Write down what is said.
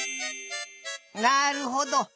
なるほど。